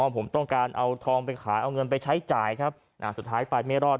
ผมต้องการเอาทองไปขายเอาเงินไปใช้จ่ายครับสุดท้ายไปไม่รอด